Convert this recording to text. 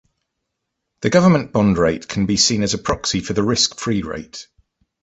The government bond rate can be seen as a proxy for the risk-free rate.